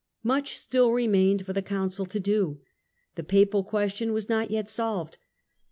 Much still remained for the Council to do : the Papal question was not yet solved.